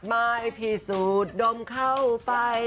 ไม่พี่สูตรดมเข้าไป